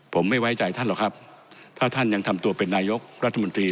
ผมไม่ไว้ใจท่านหรอกครับถ้าท่านยังทำตัวเป็นนายกรัฐมนตรี